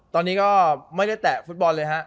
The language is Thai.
ตอนนี้ก็ไม่ได้แตกบทบอนเลยครับ